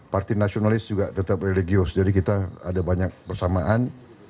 partai nasionalis juga tetap religius jadi kita ada banyak persamaan